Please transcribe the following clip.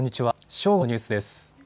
正午のニュースです。